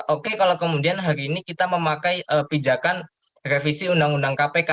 oke kalau kemudian hari ini kita memakai pijakan revisi undang undang kpk